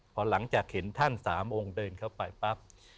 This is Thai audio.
พอหลังจากเห็นท่าน๓องค์เดินเข้าไปปั๊บ